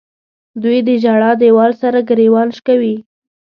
دوی د ژړا دیوال سره ګریوان شکوي.